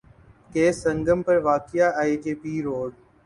کے سنگم پر واقع آئی جے پی روڈ